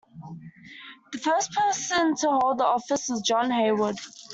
The first person to hold the office was John Haywood.